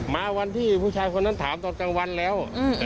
มาวันที่ผู้ชายคนนั้นถามตอนกลางวันแล้ว